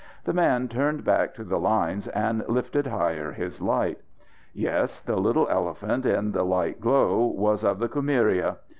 The man turned back to the lines and lifted higher his light. Yes the little elephant in the light glow was of the Kumiria.